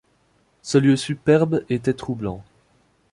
Ce lieu superbe était troublant.